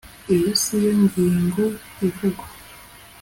Iyo si yo ngingo ivugwa